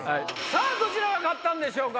どちらが勝ったんでしょうか？